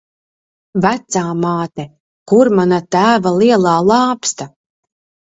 Vecāmāte, kur mana tēva lielā lāpsta?